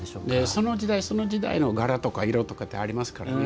その時代、その時代の柄とか色とかってありますからね。